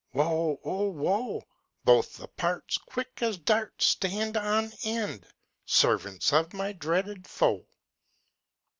Woe, oh woe! Both the parts, Quick as darts, Stand on end, Servants of my dreaded foe!